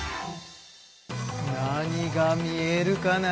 何が見えるかな？